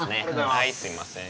はいすいません。